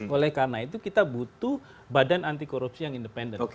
oleh karena itu kita butuh badan anti korupsi yang independen